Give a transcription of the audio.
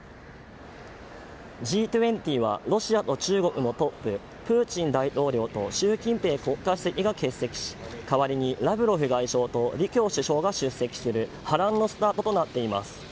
Ｇ２０はロシアと中国のトッププーチン大統領と習近平国家主席が欠席し代わりにラブロフ外相と李強首相が出席する波乱のスタートとなっています。